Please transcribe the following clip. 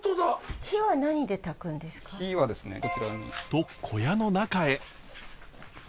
と小屋の中へ。